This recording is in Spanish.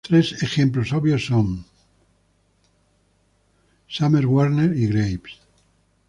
Tres ejemplos obvios son Summers, Warner, y Graves.